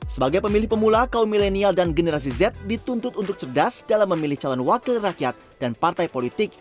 sebagai pemilih pemula kaum milenial dan generasi z dituntut untuk cerdas dalam memilih calon wakil rakyat dan partai politik